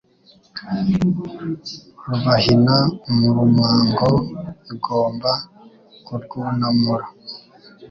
Rubahina umurumango Igomba kurwunamura